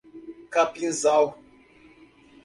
Capinzal